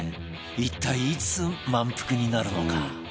一体いつ満腹になるのか？